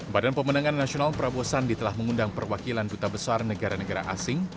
badan pemenangan nasional prabowo sandi telah mengundang perwakilan duta besar negara negara asing